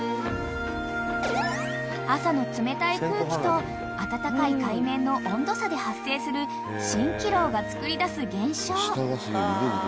［朝の冷たい空気と暖かい海面の温度差で発生する蜃気楼がつくり出す現象］